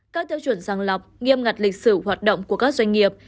các tiêu chuẩn sàng lọc nghiêm ngặt lịch sử hoạt động của các doanh nghiệp